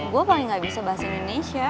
gue paling gak bisa bahasa indonesia